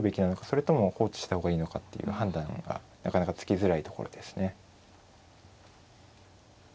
それとも放置した方がいいのかっていう判断がなかなかつきづらいところですね。